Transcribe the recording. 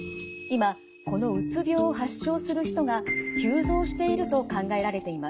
今このうつ病を発症する人が急増していると考えられています。